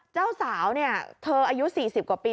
เจ้าสาวเนี่ยเธออายุ๔๐กว่าปี